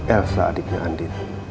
elsa adiknya andi